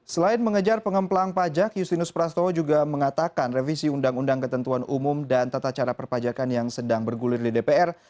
selain mengejar pengemplang pajak justinus prastowo juga mengatakan revisi undang undang ketentuan umum dan tata cara perpajakan yang sedang bergulir di dpr